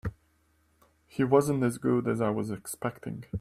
He wasn't as good as I was expecting.